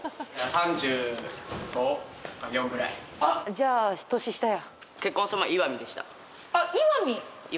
じゃあ年下や。